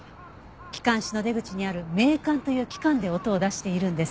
気管支の出口にある鳴管という器官で音を出しているんです。